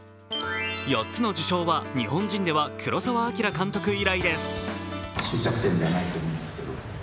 ４つの受賞は日本人では黒澤明監督以来です。